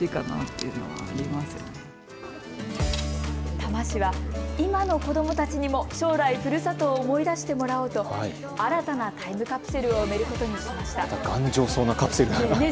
多摩市は今の子どもたちにも将来、ふるさとを思い出してもらおうと新たなタイムカプセルを埋めることにしました。